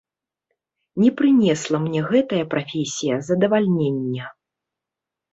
Не прынесла мне гэтая прафесія задавальнення.